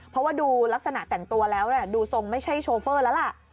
เพราะว่าดูลักษณะแต่งตัวแล้วดูทรงไม่ใช่โชเฟอร์แล้วล่ะ